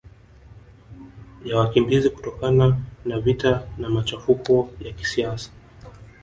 ya wakimbizi kutokana na vita na machafuko ya kisiasa